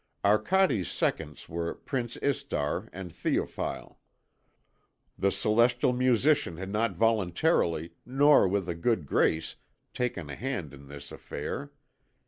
Arcade's seconds were Prince Istar and Théophile. The celestial musician had not voluntarily nor with a good grace taken a hand in this affair.